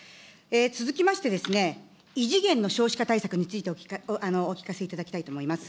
続きまして、異次元の少子化対策についてお聞かせいただきたいと思います。